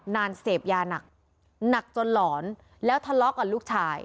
นานเสพยาหนักหนักจนหลอนแล้วทะเลาะกับลูกชาย